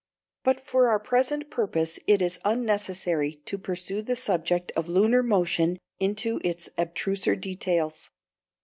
But for our present purpose it is unnecessary to pursue the subject of lunar motion into its abstruser details.